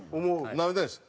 なめてないです。